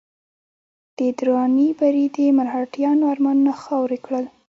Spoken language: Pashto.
د دراني بري د مرهټیانو ارمانونه خاورې کړل.